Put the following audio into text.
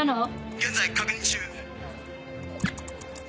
現在確認中。